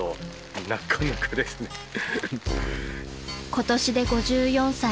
［今年で５４歳］